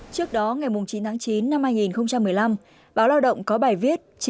trước đó ngày chín tháng chín năm hai nghìn một mươi năm báo lao động có bài viết